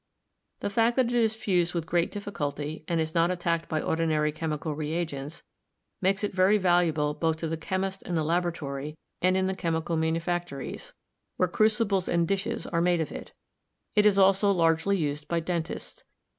The fact that it is fused with great difficulty and is not attacked by ordinary chem ical reagents makes it very valuable both to the chem ist in the laboratory and in the chemical manufactories, DESCRIPTIVE MINERALOGY 265 where crucibles and dishes are made of it. It is also largely used by dentists.